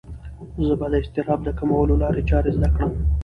زه به د اضطراب د کمولو لارې چارې زده کړم.